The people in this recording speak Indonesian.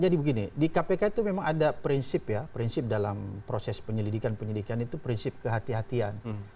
jadi begini di kpk itu memang ada prinsip ya prinsip dalam proses penyelidikan penyelidikan itu prinsip kehatian hatian